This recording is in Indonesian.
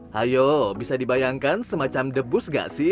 hayo bisa dibayangkan semacam debus gak sih